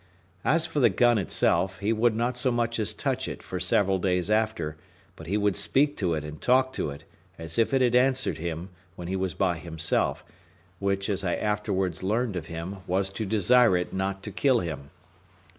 As for the gun itself, he would not so much as touch it for several days after; but he would speak to it and talk to it, as if it had answered him, when he was by himself; which, as I afterwards learned of him, was to desire it not to kill him.